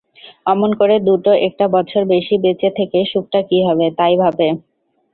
অমন করে দুটো একটা বছর বেশি বেঁচে থেকে সুখটা কী হবে, তাই ভাবে।